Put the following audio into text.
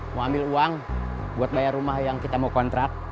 mau ambil uang buat bayar rumah yang kita mau kontrak